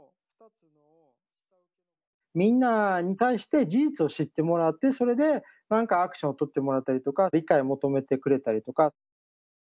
みんなに対して事実を知ってもらってそれでなんかアクションをとってもらったりとか理解を求めてくれたりとか。